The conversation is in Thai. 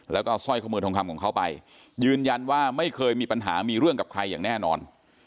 แล้วก็สร้อยข้อมือทองคำของเขาไปยืนยันว่าไม่เคยมีปัญหามีเรื่องกับใครอย่างแน่นอน